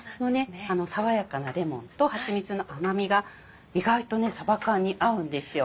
爽やかなレモンとはちみつの甘みが意外とねさば缶に合うんですよ。